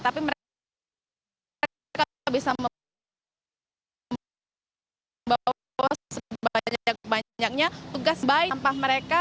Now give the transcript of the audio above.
tapi mereka bisa membawa sebanyaknya tugas baik sampah mereka